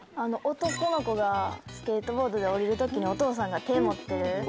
男の子がスケートボードで下りる時にお父さんが手持ってるやつ。